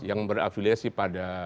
yang berafiliasi pada